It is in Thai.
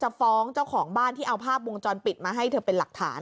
ฟ้องเจ้าของบ้านที่เอาภาพวงจรปิดมาให้เธอเป็นหลักฐาน